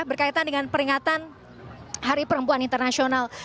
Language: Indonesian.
berkaitan dengan peringatan hari perempuan internasional